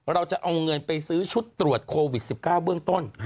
เราจะเอาเงินไปซื้อชุดตรวจโควิด๑๙เบื้องต้น